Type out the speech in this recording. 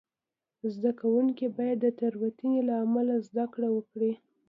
زده کوونکي باید د تېروتنې له امله زده کړه وکړي.